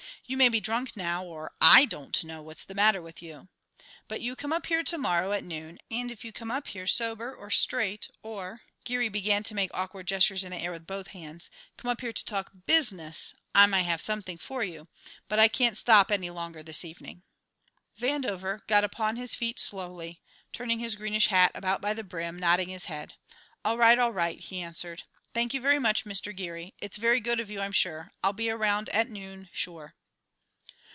You may be drunk now or I don't know what's the matter with you. But you come up here to morrow at noon, and if you come up here sober or straight or" Geary began to make awkward gestures in the air with both hands "come up here to talk business, I may have something for you, but I can't stop any longer this evening." Vandover got upon his feet slowly, turning his greenish hat about by the brim, nodding his head. "All right, all right," he answered. "Thank you very much, Mister Geary. It's very good of you, I'm sure. I'll be around at noon sure."